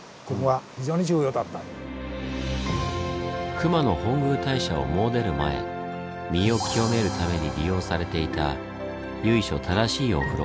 熊野本宮大社を詣でる前身を清めるために利用されていた由緒正しいお風呂。